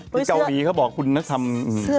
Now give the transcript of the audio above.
ที่เกาหลีเขาบอกคุณธรรม